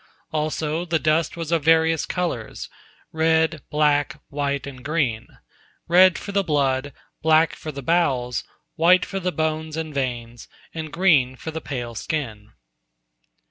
Also, the dust was of various colors—red, black, white, and green—red for the blood, black for the bowels, white for the bones and veins, and green for the pale skin.